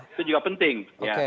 itu juga penting